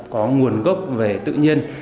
có nguồn gốc về tự nhiên